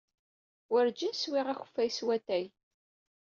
Werjin swiɣ akeffay s watay.